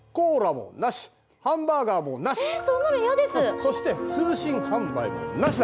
そして通信販売もなしだ！